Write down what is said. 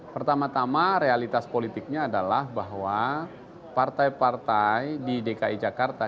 pertama tama realitas politiknya adalah bahwa partai partai di dki jakarta